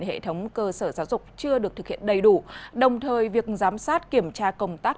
hệ thống cơ sở giáo dục chưa được thực hiện đầy đủ đồng thời việc giám sát kiểm tra công tác